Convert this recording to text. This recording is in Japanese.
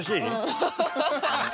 ハハハハ！